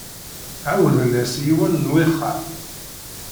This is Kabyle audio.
Ɛawden-as i yiwen n wexxam.